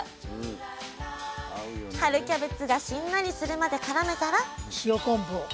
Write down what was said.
春キャベツがしんなりするまでからめたら塩昆布を。